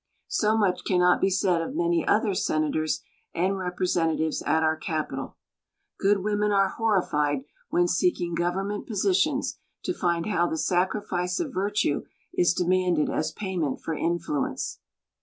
So much cannot be said of many other Senators and Representatives at our capitol. Good women are horrified when seeking government positions to find how the sacrifice of virtue is demanded as payment for influence.